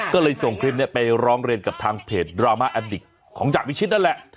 ก็เลยส่งคลิปนี้ไปร้องเรียนกับทางเพจดราม่าแอดดิกของจากวิชิตนั่นแหละ